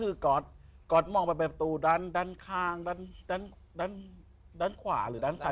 ซึ่งก็คือก๊อตมองไปเพื่อบัตรูดันด้านข้างด้านขวาเส้น